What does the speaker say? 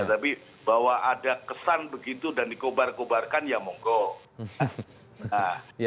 tapi bahwa ada kesan begitu dan dikobar kobarkan ya monggo